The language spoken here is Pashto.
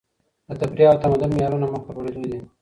د تفريح او تمدن معيارونه مخ په لوړېدو دي.